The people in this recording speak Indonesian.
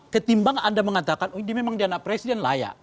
ketimbang anda mengatakan ini memang dia anak presiden layak